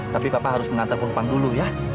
tapi papa harus mengantar perempuan dulu ya